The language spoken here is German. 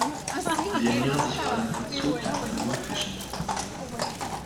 Sie ernähren sich vor allem von Zooplankton und Jungfischen.